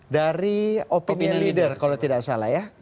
dari opinion leader kalau tidak salah ya